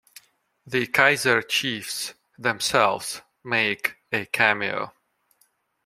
The Kaiser Chiefs themselves make a cameo.